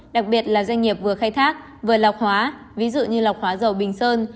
đặc biệt là doanh nghiệp vừa khai thác vừa lọc hóa ví dụ như lọc hóa dầu bình sơn